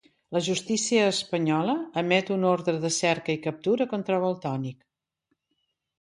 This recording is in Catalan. La justícia espanyola emet un ordre de cerca i captura contra Valtònyc.